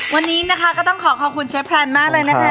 วันนี้นะคะก็ต้องขอขอบคุณเชฟแพลนมากเลยนะคะ